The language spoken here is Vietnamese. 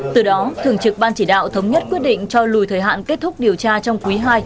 từ đó thường trực ban chỉ đạo thống nhất quyết định cho lùi thời hạn kết thúc điều tra trong quý ii